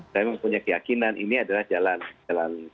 saya mempunyai keyakinan ini adalah jalan